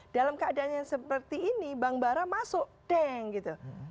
dalam keadaan yang seperti ini bang bara masuk deng gitu